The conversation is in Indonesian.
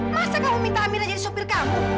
masa kamu minta amirah jadi supir kamu